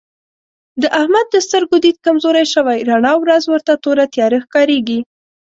د احمد د سترګو دید کمزوری شوی رڼا ورځ ورته توره تیاره ښکارېږي.